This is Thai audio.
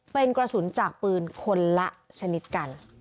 เป็นกระสุนจากปืนคนละชนิดกัน